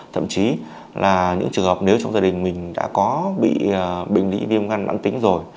thậm chí là những trường hợp nếu trong gia đình mình đã có bị bệnh lý viêm gan mạng tính rồi